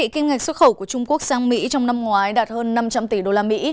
kinh ngạch xuất khẩu của trung quốc sang mỹ trong năm ngoái đạt hơn năm trăm linh tỷ usd